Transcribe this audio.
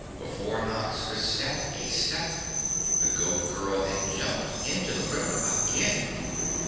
Before Nox could step a step, the Goat Girl had jumped into the river again.